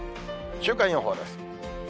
週間予報です。